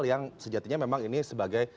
yang sejatinya memang ini sebagai